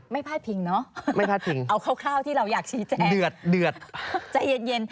ไม่พลาดพิงเนอะเอาคร่าวที่เราอยากชี้แจ้งใจเย็น